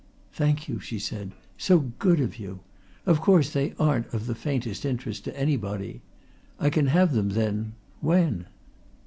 "Thank you," she said. "So good of you. Of course, they aren't of the faintest interest to anybody. I can have them, then when?"